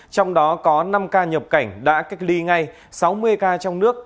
trong đó có năm ca nhập cảnh đã cách ly ngay sáu mươi ca trong nước